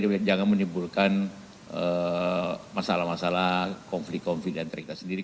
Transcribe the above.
supaya jangan menimbulkan masalah masalah konflik konflik dan terikta sendiri